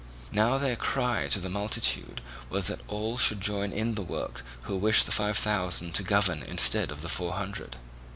Now their cry to the multitude was that all should join in the work who wished the Five Thousand to govern instead of the Four Hundred.